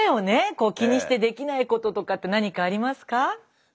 こう気にしてできないこととかって何かありますか？